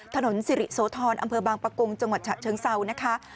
ถนนสิริโสธรอำเภอบางปะกงจังหวัดฉะเชิงเซานะคะ